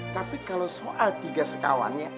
tapi kalau soal tiga sekawannya